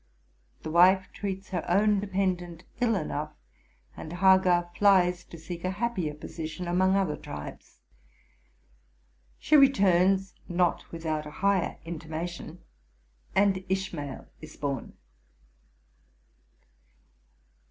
The wife treats her own dependant ill enough, and Hagar flies to seek a 110 TRUTH AND FICTION happier position among other tribes. She returns, not with out a higher intimation, and Ishmael is born.